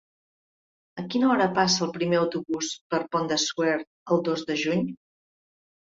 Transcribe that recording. A quina hora passa el primer autobús per el Pont de Suert el dos de juny?